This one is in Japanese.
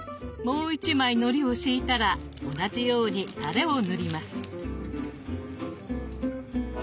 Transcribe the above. もう１枚のりを敷いたら同じようにタレを塗ります。